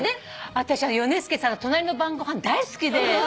私ヨネスケさんの『隣の晩ごはん』大好きで。